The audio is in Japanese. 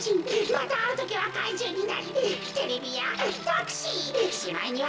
またあるときはかいじゅうになりテレビやタクシーしまいにはだんごむしにまでなって。